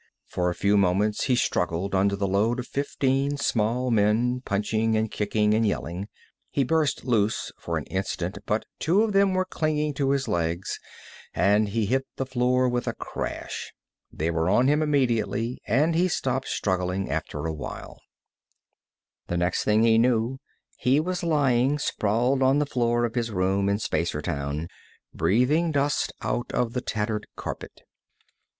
For a few moments he struggled under the load of fifteen small men, punching and kicking and yelling. He burst loose for an instant, but two of them were clinging to his legs and he hit the floor with a crash. They were on him immediately, and he stopped struggling after a while. The next thing he knew he was lying sprawled on the floor of his room in Spacertown, breathing dust out of the tattered carpet.